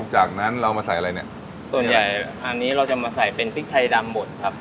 จากนั้นเรามาใส่อะไรเนี่ยส่วนใหญ่อันนี้เราจะมาใส่เป็นพริกไทยดำหมดครับ